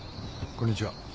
こんにちは。